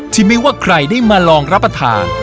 ไม่ว่าใครได้มาลองรับประทาน